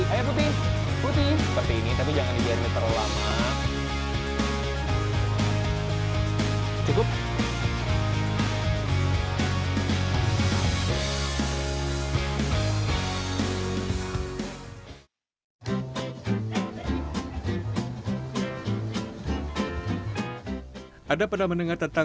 ada pada mendengar tentang kura kura sulcata